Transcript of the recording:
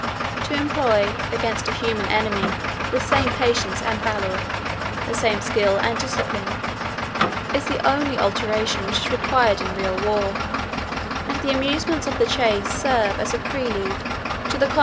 To employ against a human enemy the same patience and valor, the same skill and discipline, is the only alteration which is required in real war; and the amusements of the chase serve as a prelude to the conquest of an empire.